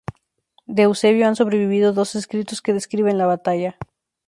De Eusebio han sobrevivido dos escritos que describen la batalla.